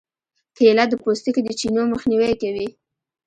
کېله د پوستکي د چینو مخنیوی کوي.